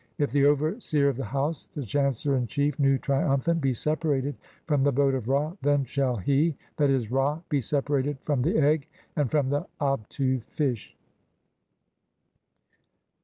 (8) If the overseer of the house, "the chancellor in chief, Nu, triumphant, be separated [from the "boat of Ra], then shall he (;'.<?., Ra) be separated (9) from the "Egg and from the Abtu fish.